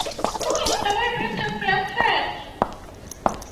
Who is the man with the black hat?